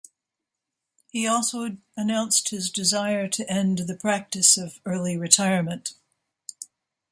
He also announced his desire to end the practice of early retirement.